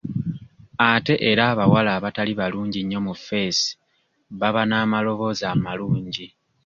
Ate era abawala abatali balungi nnyo mu ffeesi baba n'amaloboozi amalungi.